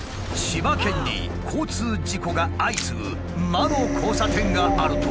千葉県に交通事故が相次ぐ「魔の交差点」があるという。